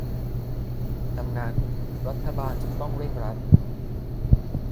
ดังนั้นรัฐบาลจึงต้องเร่งรัด